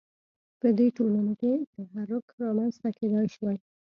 په دې ټولنو کې تحرک رامنځته کېدای شوای.